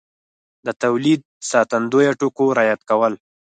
د تولید ساتندویه ټکو رعایت کول